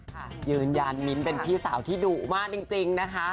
ยืนยันมิ้นท์เป็นพี่สาวที่ดุมากจริงนะคะ